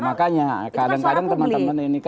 makanya kadang kadang teman teman ini